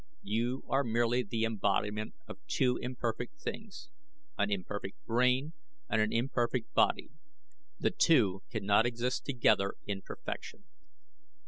You are merely the embodiment of two imperfect things an imperfect brain and an imperfect body. The two cannot exist together in perfection.